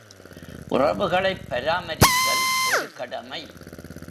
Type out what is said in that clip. உறவுகளைப் பராமரித்தல் ஒரு கடமை.